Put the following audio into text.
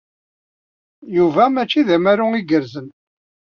Yuba mačči d amaru igerrzen.